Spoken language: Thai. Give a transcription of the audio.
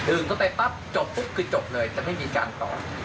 เข้าไปปั๊บจบปุ๊บคือจบเลยจะไม่มีการตอบ